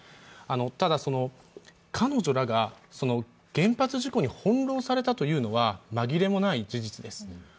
ただ、彼女らが原発事故に翻弄されたというのは紛れもない事実です。